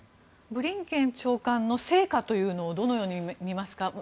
ブリンケン長官の成果をどのように見ますか。